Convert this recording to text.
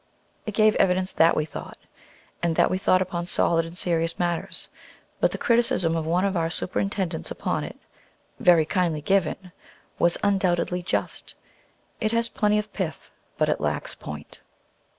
It gave evidence that we thought, and that we thought upon solid and serious matters; but the criticism of one of our superintendents upon it, very kindly given, was undoubtedly just: "It has plenty of pith, but it lacks point."